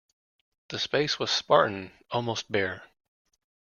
The space was spartan, almost bare.